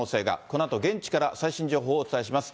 このあと現地から最新情報をお伝えします。